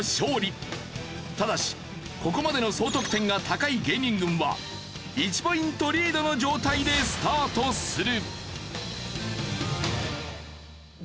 ただしここまでの総得点が高い芸人軍は１ポイントリードの状態でスタートする。